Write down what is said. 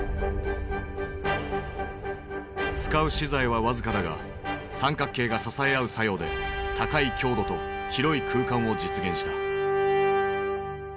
使う資材は僅かだが三角形が支え合う作用で高い強度と広い空間を実現した。